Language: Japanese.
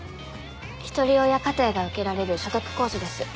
ひとり親家庭が受けられる所得控除です。